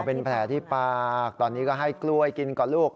เป็นแผลที่ปากตอนนี้ก็ให้กล้วยกินก่อนลูก